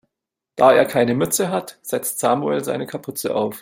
Da er keine Mütze hat, setzt Samuel seine Kapuze auf.